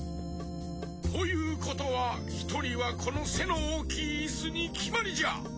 ということはひとりはこのせのおおきいイスにきまりじゃ！